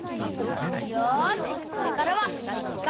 よしこれからはしっかりたべるぞ！